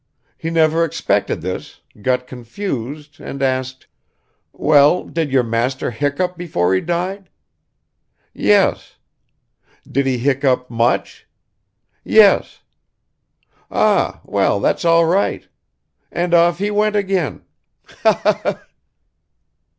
He never expected this, got confused and asked: 'Well, did your master hiccup before he died?' 'Yes.' 'Did he hiccup much?' 'Yes.' 'Ah, well, that's all right,' and off he went again. Ha! ha! ha!"